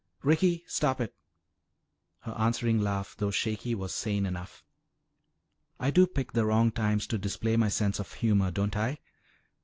"Ricky! Stop it!" Her answering laugh, though shaky, was sane enough. "I do pick the wrong times to display my sense of humor, don't I?